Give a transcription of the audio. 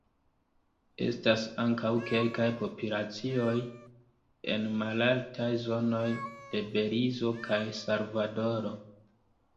Estas ankaŭ kelkaj populacioj en malaltaj zonoj de Belizo kaj Salvadoro.